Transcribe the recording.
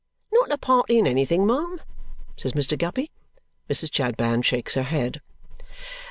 "NOT a party in anything, ma'am?" says Mr. Guppy. Mrs. Chadband shakes her head.